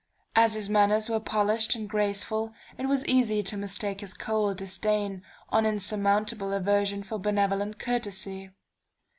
As his manners were polished and graceful, it was easy to mistake his cold disdain on insurmountable aversion for benevolent courtesy...